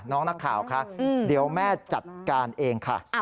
น้องนักข่าวค่ะเดี๋ยวแม่จัดการเองค่ะ